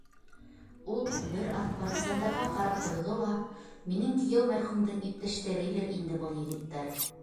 Ул бер аҙ партизандарға ҡарап торҙо ла: — Минең кейәү мәрхүмдең иптәштәрелер инде был егеттәр.